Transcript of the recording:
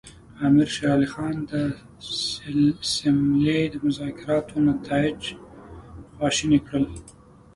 امیر شېر علي خان د سیملې د مذاکراتو نتایج خواشیني کړل.